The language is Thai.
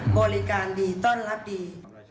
บริการดีต้อนรับดี